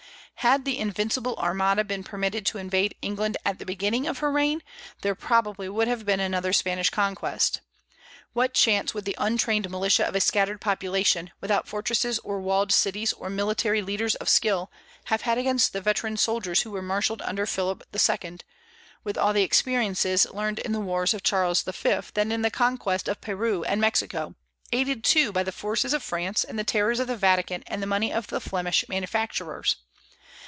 Had the "Invincible Armada" been permitted to invade England at the beginning of her reign, there would probably have been another Spanish conquest. What chance would the untrained militia of a scattered population, without fortresses or walled cities or military leaders of skill, have had against the veteran soldiers who were marshalled under Philip II., with all the experiences learned in the wars of Charles V. and in the conquest of Peru and Mexico, aided, too, by the forces of France and the terrors of the Vatican and the money of the Flemish manufacturers?